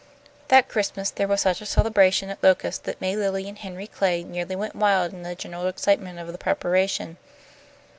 That Christmas there was such a celebration at Locust that May Lilly and Henry Clay nearly went wild in the general excitement of the preparation.